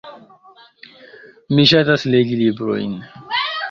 Mi ŝatas legi librojn.